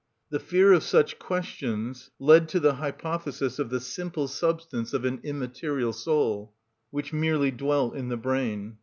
The fear of such questions led to the hypothesis of the simple substance of an immaterial soul, which merely dwelt in the brain.